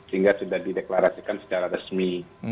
sehingga sudah dideklarasikan secara resmi